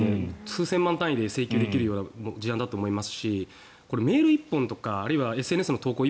数千万円単位で請求できる事案だと思いますしこれ、メール１本とかあるいはＳＮＳの投稿